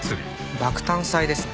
爆誕祭ですね。